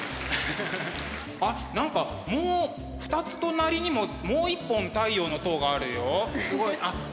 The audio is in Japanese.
あっ何かもう２つ隣にももう一本「太陽の塔」があるよ。